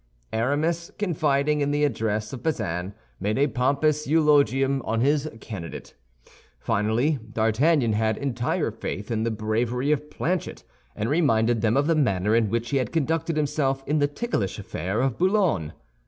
Aramis, confiding in the address of Bazin, made a pompous eulogium on his candidate. Finally, D'Artagnan had entire faith in the bravery of Planchet, and reminded them of the manner in which he had conducted himself in the ticklish affair of Boulogne.